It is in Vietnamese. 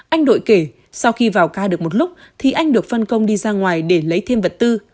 anh đội kể sau khi vào ca được một lúc thì anh được phân công đi ra ngoài để lấy thêm vật tư